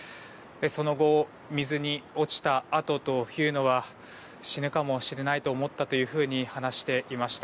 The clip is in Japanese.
その後水に落ちたあとというのは死ぬかもしれないと思ったと話していました。